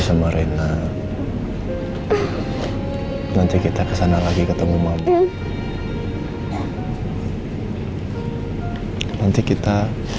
sampai jumpa di video selanjutnya